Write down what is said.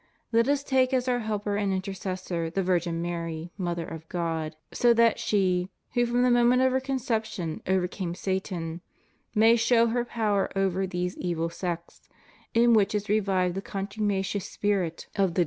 Let us take as our helper and intercessor the Virgin Mary, Mother of God, so that she, who from the moment of her conception overcame Satan, may show her power over these evil sects, in which is revived the contumacious spirit of the 106 FREEMASONRY.